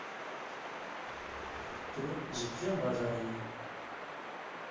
Tu ji kîjan bajarî yî?